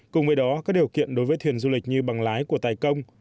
cùng với đó các điều kiện đối với thuyền du lịch như bằng lái của tài công